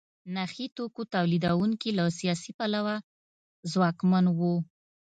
نخي توکو تولیدوونکي له سیاسي پلوه ځواکمن وو.